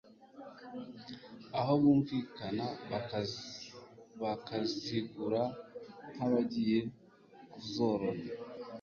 aho bumvikana bakazigura nk'abagiye kuzorora